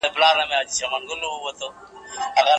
دورکهايم غوښتل چي دقيق ميزان معلوم کړي.